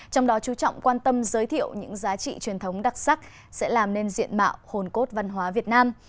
trong đó chú trọng quan tâm giới thiệu những giá trị truyền thống đặc sắc sẽ làm nên diện mạo hồn cốt văn hóa việt nam